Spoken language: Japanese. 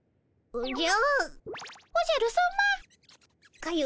おじゃ！